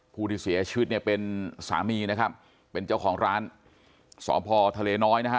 ผู้ที่เสียชีวิตเนี่ยเป็นสามีนะครับเป็นเจ้าของร้านสพทะเลน้อยนะฮะ